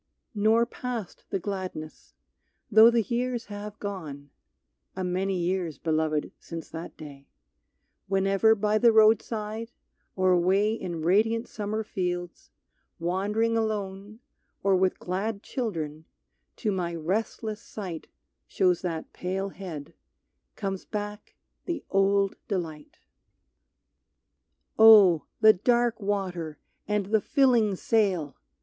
Nor passed the gladness. Though the years have gone (A many years, Beloved, since that day,) Whenever by the roadside or away In radiant summer fields, wandering alone Or with glad children, to my restless sight Shows that pale head, comes back the old delight. Oh! the dark water, and the filling sail!